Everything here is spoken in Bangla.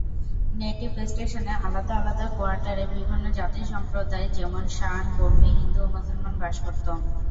নেটিভ স্টেশনে আলাদা আলাদা কোয়ার্টারে বিভিন্ন জাতি-সম্প্রদায়, যেমন: শান, বর্মী, হিন্দু ও মুসলমান বাস করতো।